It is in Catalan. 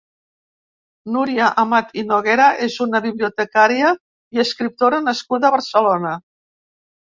Núria Amat i Noguera és una bibliotecària i escriptora nascuda a Barcelona.